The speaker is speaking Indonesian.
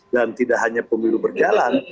dan tidak hanya pemilu berjalan